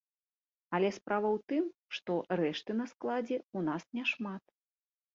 Але справа ў тым, што рэшты на складзе ў нас няшмат.